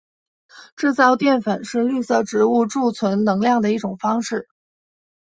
制造淀粉是绿色植物贮存能量的一种方式。